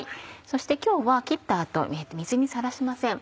そして今日は切った後水にさらしません。